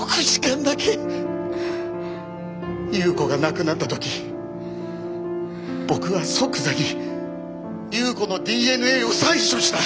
夕子が亡くなった時僕は即座に夕子のＤＮＡを採取した。